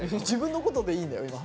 自分のことでいいんだよ。